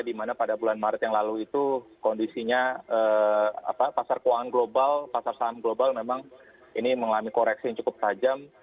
dimana pada bulan maret yang lalu itu kondisinya pasar keuangan global pasar saham global memang ini mengalami koreksi yang cukup tajam